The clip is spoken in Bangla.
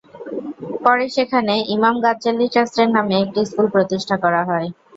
পরে সেখানে ইমাম গাযযালী ট্রাস্টের নামে একটি স্কুল প্রতিষ্ঠা করা হয়।